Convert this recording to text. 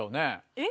えっ？